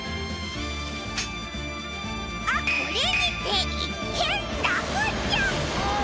あっこれにていっけんらくちゃく！